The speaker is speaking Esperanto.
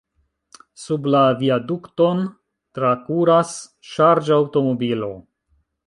Sub la viadukton trakuras ŝarĝaŭtomobilo.